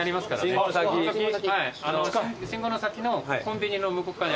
信号の先のコンビニの向こうっかわに。